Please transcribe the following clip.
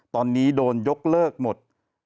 ตอนนี้โดนยกเลิกหมด